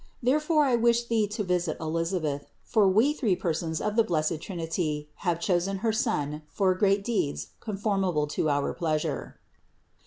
Therefore I wish thee to visit Elisabeth; for We three Persons of the blessed Trinity have chosen her son for great deeds conformable to our pleasure."